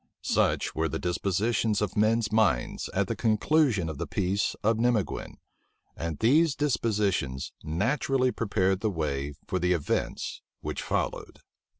Such, were the dispositions of men's minds at the conclusion of the peace of Nimeguen: and these dispositions naturally prepared the way for the events which followed.